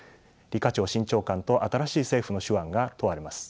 李家超新長官と新しい政府の手腕が問われます。